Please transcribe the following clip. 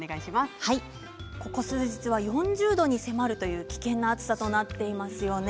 ここ数日は４０度に迫る危険な暑さとなっていますね。